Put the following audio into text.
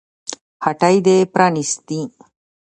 هټۍ دې پرانيستې